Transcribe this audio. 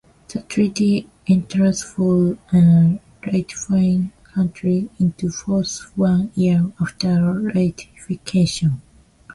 The treaty enters for a ratifying country into force one year after ratification.